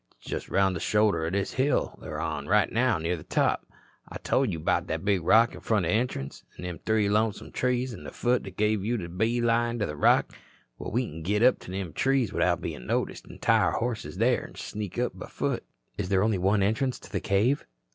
"It's just around the shoulder o' this hill we're on right now and near the top. I tole you 'bout that big rock in front o' the entrance an' them three lonesome trees at the foot that give you a bee line to the rock. Well, we can git to them trees without bein' noticed an' tie our horses there an' then sneak up afoot." "Is there only the one entrance to the cave?"